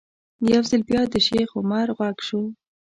یو ځل بیا د شیخ عمر غږ شو.